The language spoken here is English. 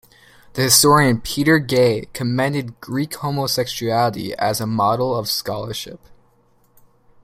The historian Peter Gay commended "Greek Homosexuality" as a "model of scholarship".